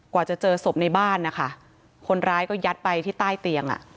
กว่าจะเจอศพในบ้านนะคะคนร้ายก็ยัดไปที่ใต้เตียงอ่ะ